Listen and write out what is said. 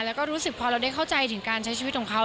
แล้วก็รู้สึกพอเราได้เข้าใจถึงการใช้ชีวิตของเขา